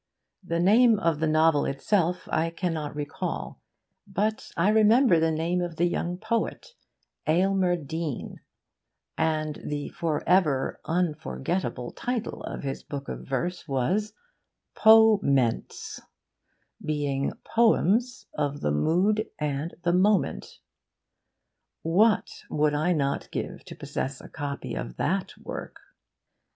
The name of the novel itself I cannot recall; but I remember the name of the young poet Aylmer Deane; and the forever unforgettable title of his book of verse was POMENTS: BEING POEMS OF THE MOOD AND THE MOMENT. What would I not give to possess a copy of that work?